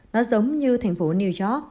nó giống như tp new york